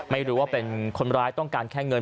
ไม่รู้ว่าเป็นคนร้ายต้องการแค่เงิน